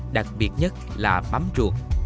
đặc biệt nhất là mắm ruột